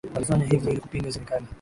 walifanya hivyo ili kupinga serikali